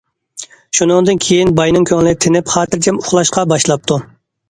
شۇنىڭدىن كېيىن باينىڭ كۆڭلى تىنىپ خاتىرجەم ئۇخلاشقا باشلاپتۇ.